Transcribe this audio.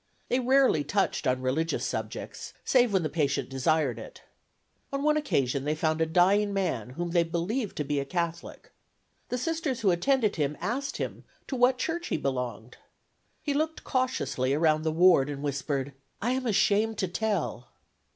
They rarely touched on religious subjects, save when the patient desired it. On one occasion they found a dying man whom they believed to be a Catholic. The Sisters who attended him asked him to what church he belonged. He looked cautiously around the ward and whispered: "I am ashamed to tell."